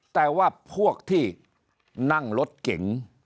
แต่ว่าพวกที่นั่งรถเก๋ง